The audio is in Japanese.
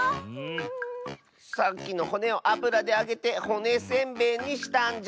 さっきのほねをあぶらであげてほねせんべいにしたんじゃ。